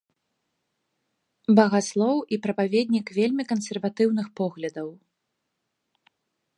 Багаслоў і прапаведнік вельмі кансерватыўных поглядаў.